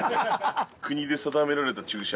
国で定められた注射。